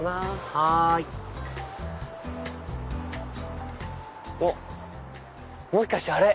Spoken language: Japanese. はいおっもしかしてあれ。